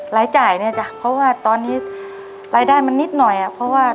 รายจ่ายเนี่ยจ้ะเพราะว่าตอนนี้รายได้มันนิดหน่อยเพราะว่า